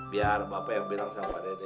biar bapak yang bilang sama dede